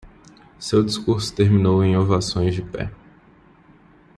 Seu discurso terminou em ovações de pé.